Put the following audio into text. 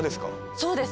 そうです。